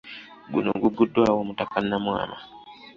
Guno guguddwawo Omutaka Namwama.